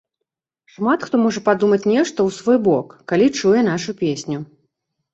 Шмат хто можа падумаць нешта ў свой бок, калі чуе нашу песню.